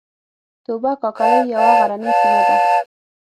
توبه کاکړۍ یوه غرنۍ سیمه ده